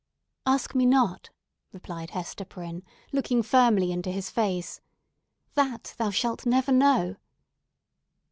"Ask me not!" replied Hester Prynne, looking firmly into his face. "That thou shalt never know!"